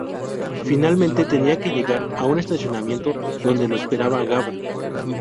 Finalmente tenían que llegar a un estacionamiento donde lo esperaba Gabo.